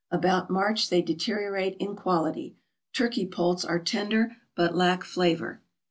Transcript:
About March they deteriorate in quality. Turkey poults are tender, but lack flavor.